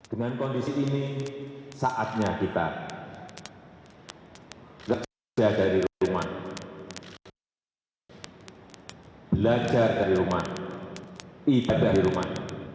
dengan kondisi ini saatnya kita belajar dari rumah ibadah dari rumah